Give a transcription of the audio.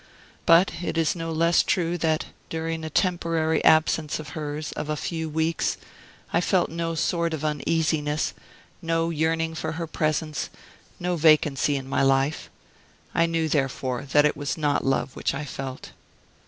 But it is no less true that during a temporary absence of hers of a few weeks I felt no sort of uneasiness, no yearning for her presence, no vacancy in my life. I knew, therefore, that it was not love which I felt.